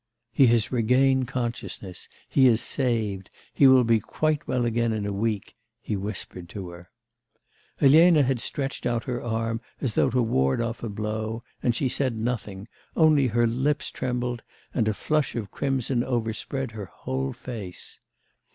'He has regained consciousness, he is saved, he will be quite well again in a week,' he whispered to her. Elena had stretched out her arm as though to ward off a blow, and she said nothing, only her lips trembled and a flush of crimson overspread her whole face.